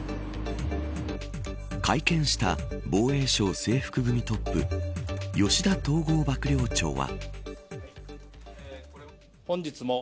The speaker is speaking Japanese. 会見した防衛省制服組トップ吉田統合幕僚長は。